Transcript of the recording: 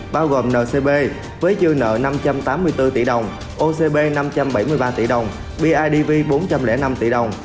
bao gồm ncb với dư nợ năm trăm tám mươi bốn tỷ đồng ocb năm trăm bảy mươi ba tỷ đồng bidv bốn trăm linh năm tỷ đồng